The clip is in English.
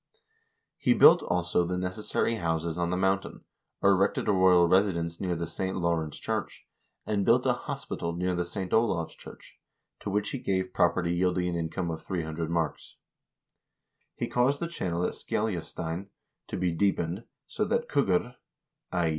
He built, also, the necessary houses on the mountain, erected a royal residence near the St. Law rence church, and built a hospital near the St. Olav's church, to which he gave property yielding an income of 300 marks. He caused the channel at Skeljastein to be deepened, so that kuggr (i.